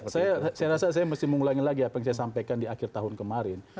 saya rasa saya mesti mengulangi lagi apa yang saya sampaikan di akhir tahun kemarin